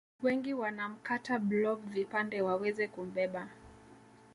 Wengi wanamkata blob vipande waweze kumbeba